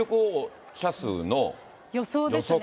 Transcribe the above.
予想ですね。